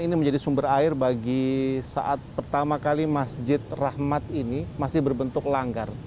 ini menjadi sumber air bagi saat pertama kali masjid rahmat ini masih berbentuk langgar